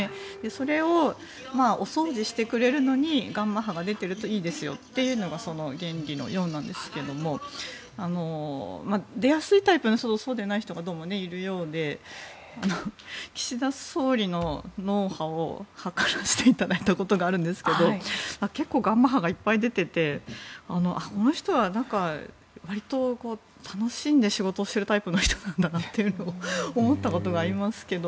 それをお掃除してくれるのにガンマ波が出ているといいですよっていうのがその原理のようなんですが出やすいタイプの人とそうでない人がどうもいるようで岸田総理の脳波を測らせていただいたことがあるんですが結構ガンマ波がいっぱい出ていてこの人はわりと楽しんで仕事をしているタイプの人なんだなと思ったことがありますけど。